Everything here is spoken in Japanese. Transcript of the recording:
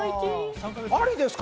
ありですか？